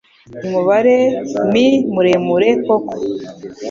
uyu mubare mi muremure koko